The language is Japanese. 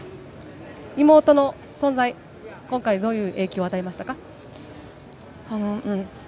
妹の存在、今回、どういう影響を与えましたか？